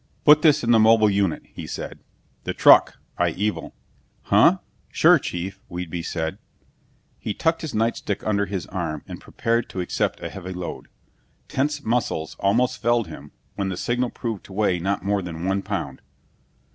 "Put this in the mobile unit," he said. "The truck, I evil." "Huh? Sure, chief," Whedbee said. He tucked his night stick under his arm and prepared to accept a heavy load. Tensed muscles almost felled him when the signal proved to weigh not more than one pound.